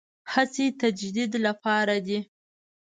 هڅې تجدید لپاره دي.